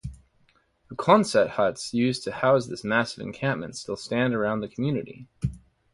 The quonset huts used to house this massive encampment still stand around the community.